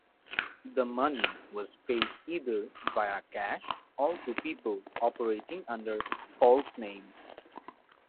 The money was paid either via cash or to people operating under false names.